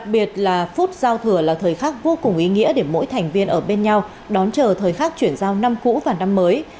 và phút giao thừa là thời khắc vô cùng ý nghĩa để mỗi thành viên ở bên nhau đón chờ thời khắc chuyển giao năm cũ và năm mới